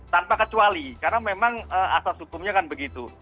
tanpa kecuali karena memang asas hukumnya kan begitu